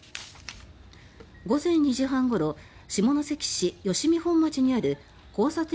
午前２時半ごろ下関市吉見本町にある交差点